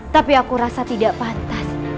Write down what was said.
tapi aku rasa tidak pantas